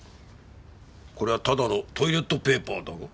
これはただのトイレットペーパーだろ？